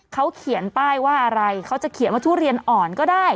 เขาเขียนป้ายว่าอะไรเขาจะเขียนว่าทุเรียนอ่อนก็ได้